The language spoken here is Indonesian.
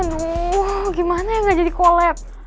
aduh gimana ya gak jadi collab